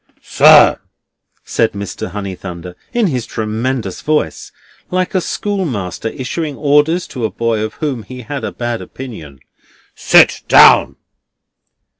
"Sir," said Mr. Honeythunder, in his tremendous voice, like a schoolmaster issuing orders to a boy of whom he had a bad opinion, "sit down."